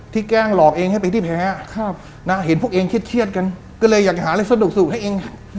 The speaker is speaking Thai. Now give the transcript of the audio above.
ที่แพ้ครับนะเห็นพวกเองขี้เชียดกันก็เลยอยากหาอะไรสนุกให้เอง